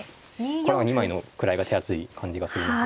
これは２枚の位が手厚い感じがするので。